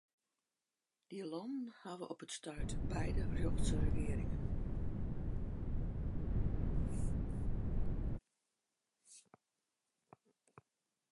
Dy lannen hawwe op it stuit beide rjochtse regearingen.